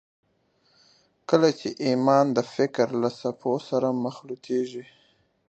کله چې ایمان د فکر له څپو سره مخلوطېږي